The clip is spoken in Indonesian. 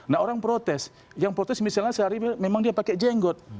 nah orang protes yang protes misalnya sehari memang dia pakai jenggot